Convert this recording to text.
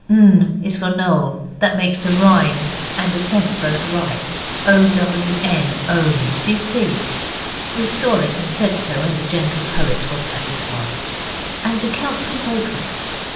N is for Noel, that makes the rhyme and the sense both right. O, W, N, own; do you see?' We saw it, and said so, and the gentle poet was satisfied. And the council broke up.